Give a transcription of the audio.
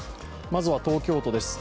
まずは東京都です。